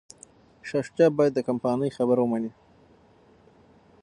شاه شجاع باید د کمپانۍ خبره ومني.